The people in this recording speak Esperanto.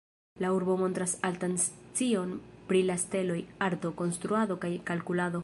La urbo montras altan scion pri la steloj, arto, konstruado kaj kalkulado.